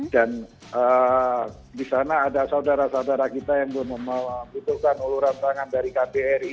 dan di sana ada saudara saudara kita yang membutuhkan uluran tangan dari kbri